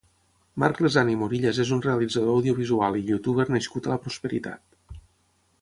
Marc Lesan i Morillas és un realitzador audiovisual i youtuber nascut a La Prosperitat.